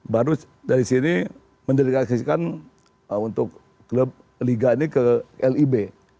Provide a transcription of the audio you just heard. baru dari sini mendelegasikan untuk klub liga ini ke lib